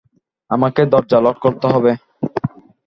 আমাকে দরজা লক করতে হবে।